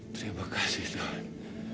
terima kasih tuhan